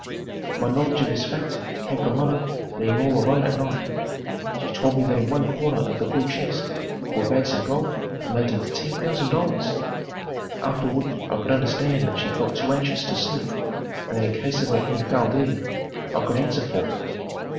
My knowledge of this fact came from mother being all alone at night. She told me that in one corner of the blue chest were bags of gold amounting to $10,000. Afterward I could understand that she felt too anxious to sleep and that in case of any foul deed, I could answer for her.